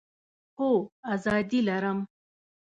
هو، آزادي لرم